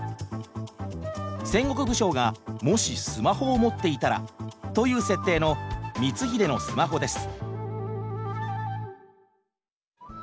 「戦国武将がもしスマホを持っていたら」という設定の「光秀のスマホ」です。